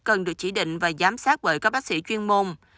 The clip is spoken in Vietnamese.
cần được chỉ định và giám sát bởi các bác sĩ chuyên môn